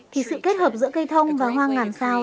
thì sự kết hợp giữa cây thông và hoa ngàn sao